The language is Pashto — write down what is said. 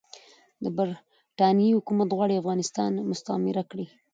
د برټانیې حکومت غواړي افغانستان مستعمره کړي.